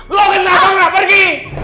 lo kenal gak pergi